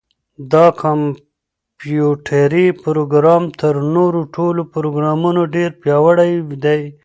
دا کمپیوټري پروګرام تر نورو ټولو پروګرامونو ډېر پیاوړی دی.